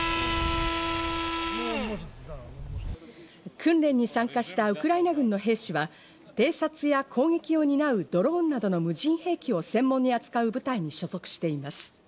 訓練に参加したウクライナ軍の兵士は偵察や攻撃を担うドローンなどの無人兵器を専門に扱う部隊に所属しています。